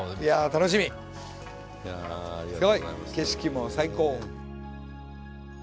景色も最高。